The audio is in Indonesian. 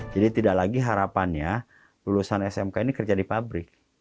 jadi tidak lagi harapannya lulusan smk ini kerja di pabrik